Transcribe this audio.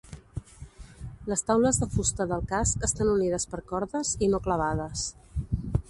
Les taules de fusta del casc estan unides per cordes, i no clavades.